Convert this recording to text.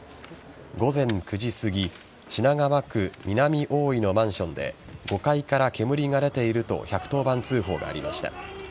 午前９時すぎ品川区南大井のマンションで５階から煙が出ていると１１０番通報がありました。